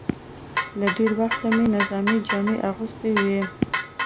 له ډېره وخته مې نظامي جامې اغوستې وې.